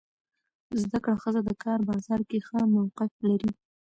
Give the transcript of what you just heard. زده کړه ښځه د کار بازار کې ښه موقف لري.